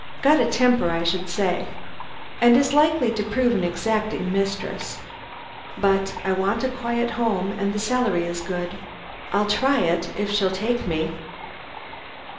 Got a temper I should say, and is likely to prove an exacting mistress. But I want a quiet home, and the salary is good. I'll try it, if she'll take me."